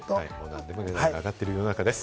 値段が上がっている世の中です。